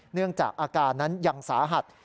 เนื่องจากอาการนั้นยังสาหัส